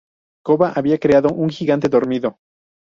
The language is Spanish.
Koba había creado un gigante dormido.